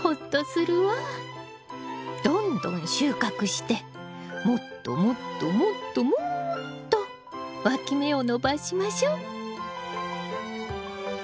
どんどん収穫してもっともっともっともっとわき芽を伸ばしましょ。